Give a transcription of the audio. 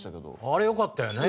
あれ良かったよね